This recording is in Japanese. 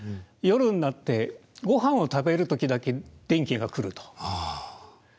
夜になってごはんを食べる時だけ電気が来ると。